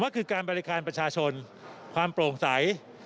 ก็คือการบริการประชาชนความโปร่งใส